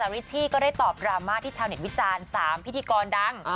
ริชชี่ก็ได้ตอบดราม่าที่ชาวเน็ตวิจารณ์๓พิธีกรดัง